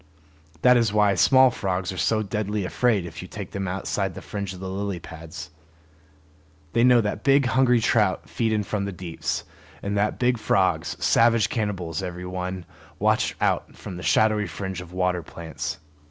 That is why small frogs are so deadly afraid if you take them outside the fringe of lily pads. They know that big hungry trout feed in from the deeps, and that big frogs, savage cannibals every one, watch out from the shadowy fringe of water plants.